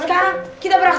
sekarang kita berhasil